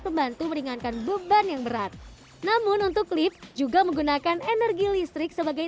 membantu meringankan beban yang berat namun untuk lift juga menggunakan energi listrik sebagai